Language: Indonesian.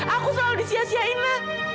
aku selalu disiasiain na